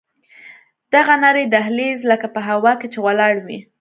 دغه نرى دهلېز لکه په هوا کښې چې ولاړ وي.